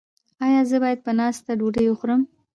ایا زه باید په ناسته ډوډۍ وخورم؟